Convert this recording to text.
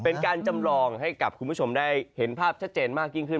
เป็นการจำลองให้กับคุณผู้ชมได้เห็นภาพชัดเจนมากยิ่งขึ้น